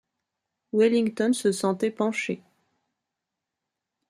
Wellington se sentait pencher.